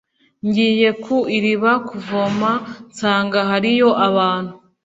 ngiye ku iriba kuvoma nsanga hariyo abantu